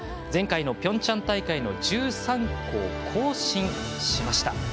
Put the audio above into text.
前回のピョンチャン大会の１３個を更新しました。